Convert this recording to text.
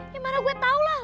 ya mana gue tau lah